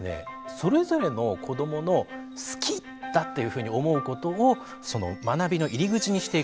それぞれの子どもの好きだっていうふうに思うことを学びの入口にしていく。